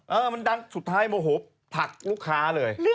เออมันดังสุดท้ายโมโหผลักลูกค้าเลย